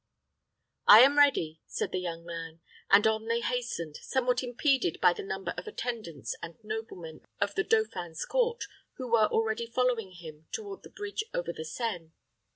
"I am ready," said the young man; and on they hastened, somewhat impeded by the number of attendants and noblemen of the dauphin's court, who were already following him toward the bridge over the Seine.